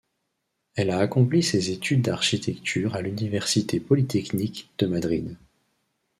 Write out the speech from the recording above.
Elle a accompli ses études d'architecture à l'Université polytechnique de Madrid.